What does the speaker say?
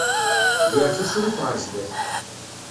Gret asurif ɣer sdat.